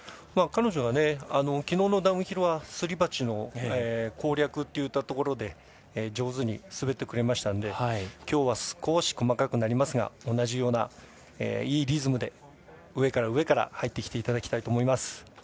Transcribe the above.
彼女は昨日のダウンヒルすり鉢の攻略というところで上手に滑ってくれましたので今日は少し細かくなりますが同じようないいリズムで上から入ってきていただきたいと思います。